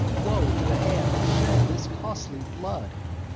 Woe to the hand that shed this costly blood!